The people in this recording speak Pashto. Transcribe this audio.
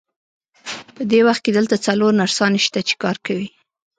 په دې وخت کې دلته څلور نرسانې شته، چې کار کوي.